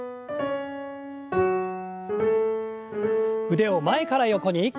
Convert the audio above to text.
腕を前から横に。